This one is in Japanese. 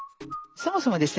そもそもですね